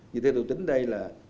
như thế tôi tính đây